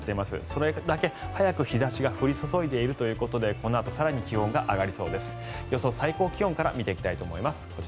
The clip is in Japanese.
それだけ早く日差しが降り注いでいるということでこのあと更に気温が上がりそうです。